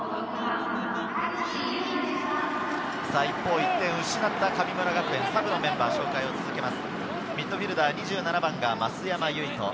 １点を失った神村学園、サブのメンバーの紹介を続けます。